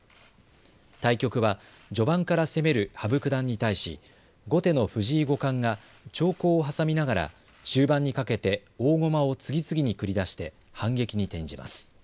対局は序盤から攻める羽生九段に対し後手の藤井五冠が長考を挟みながら終盤にかけて大駒を次々に繰り出して反撃に転じます。